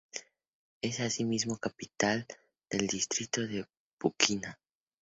Es asimismo capital del distrito de Puquina.